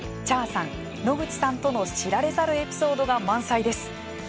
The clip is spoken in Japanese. Ｃｈａｒさん野口さんとの知られざるエピソードが満載です。